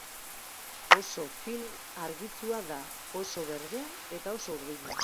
Oso film argitsua da, oso berdea eta oso urdina.